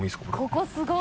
ここすごい。